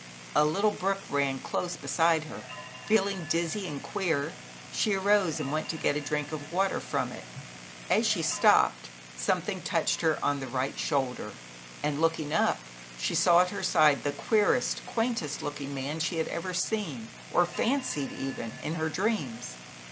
A little brook ran close beside her. Feeling dizzy and queer, she arose and went to get a drink of water from it. As she stooped, something touched her on the shoulder and looking up, she saw at her side, the queerest, quaintest looking little man she had ever seen or fancied, even in her dreams.